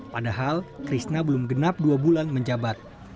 padahal krishna belum genap dua bulan menjabat